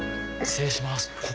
失礼します。